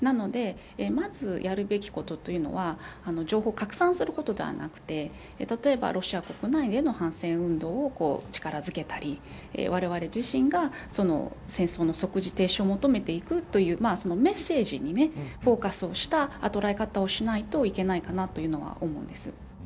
なので、まずやるべきことというのは情報を拡散することではなくて例えば、ロシア国内での反戦運動を力づけたりわれわれ自身が戦争の即時停止を求めていくというメッセージにフォーカスをした捉え方をしないといけないかなとは思うんです。